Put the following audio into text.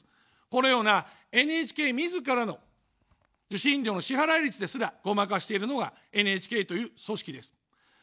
このようなＮＨＫみずからの、受信料の支払い率ですら、ごまかしているのがＮＨＫという組織です。